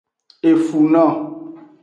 Efuno.